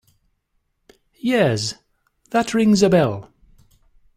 Yes, that rings a bell.